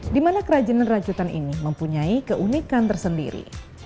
dimana kerajinan rajutan ini mempunyai keunikan tersendiri